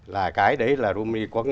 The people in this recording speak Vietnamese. là cái đấy là kumani có